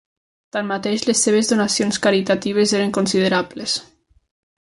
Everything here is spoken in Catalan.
Tanmateix, les seves donacions caritatives eren considerables.